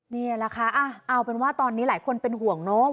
นี่แหละค่ะเอาเป็นว่าตอนนี้หลายคนเป็นห่วงเนอะ